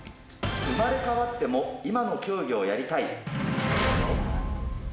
生まれ変わっても今の競技をやりたい。